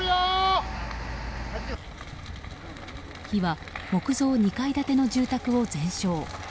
火は木造２階建ての住宅を全焼。